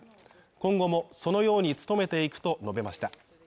今後もそのように努めていくと述べました。